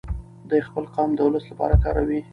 دی خپل قلم د ولس لپاره کاروي.